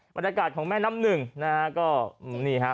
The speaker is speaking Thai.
บรรยากาศของแม่น้ำหนึ่งนะฮะก็นี่ฮะ